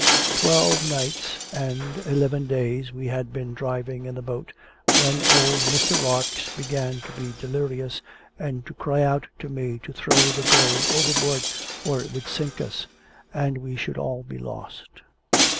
Twelve nights and eleven days we had been driving in the boat, when old Mr. Rarx began to be delirious, and to cry out to me to throw the gold overboard or it would sink us, and we should all be lost.